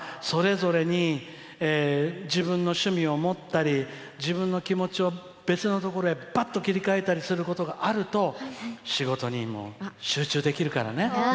それぞれに自分の趣味を持ったり自分の気持ちを別のところへぱっと切り替えたりすることがあると仕事にも集中できるからね。